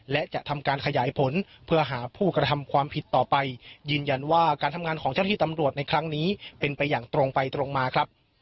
และจะทำการขยายผลเพื่อหาผู้กระทำความผิดต่อไปยืนยันว่าการทำงานของเจ้าหน้าที่ตำรวจในครั้งนี้เป็นไปอย่างตรงไปตรงมาครับ